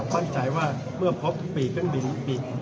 คือว่าซึ่งเตรียมอยู่ในคุณโกหก